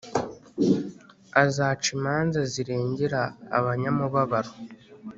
Azaca imanza zirengera abanyamubabaro